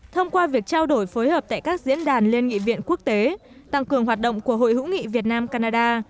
thông qua việc trao đổi phối hợp tại các diễn đàn liên nghị viện quốc tế tăng cường hoạt động của hội hữu nghị việt nam canada